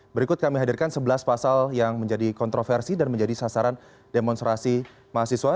berikut kami hadirkan sebelas pasal yang menjadi kontroversi dan menjadi sasaran demonstrasi mahasiswa